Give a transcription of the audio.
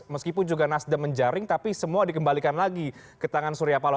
meskipun juga nasdem menjaring tapi semua dikembalikan lagi ke tangan surya paloh